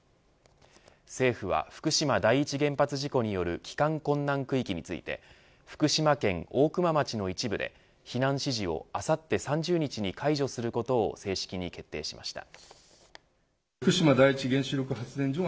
政府は福島第一原発事故による帰還困難区域について福島県大熊町の一部で避難指示をあさって３０日に解除することを正式に決定しました。